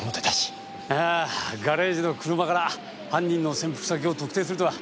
いやあガレージの車から犯人の潜伏先を特定するとは。